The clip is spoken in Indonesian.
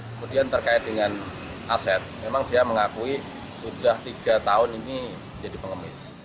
kemudian terkait dengan aset memang dia mengakui sudah tiga tahun ini jadi pengemis